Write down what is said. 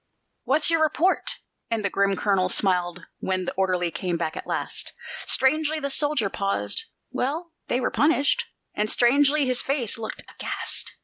"What's your report?" and the grim colonel smiled when the orderly came back at last. Strangely the soldier paused: "Well, they were punished." And strangely his face looked, aghast.